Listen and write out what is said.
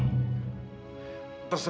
bukan menolong orang